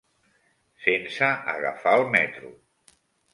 sense agafar el metro.